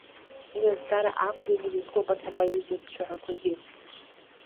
Уи азҵаара акәӡами изызку абарҭ апоезиатә цәаҳәақәагьы.